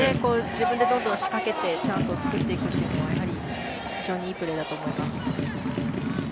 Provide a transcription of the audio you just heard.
自分でどんどん仕掛けてチャンスを作っていくのは非常にいいプレーだと思います。